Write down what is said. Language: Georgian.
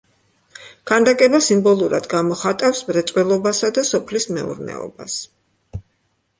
ქანდაკება სიმბოლურად გამოხატავს მრეწველობასა და სოფლის მეურნეობას.